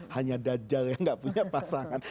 hanya dajal yang gak punya pasangan